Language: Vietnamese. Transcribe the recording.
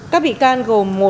các bị can gồm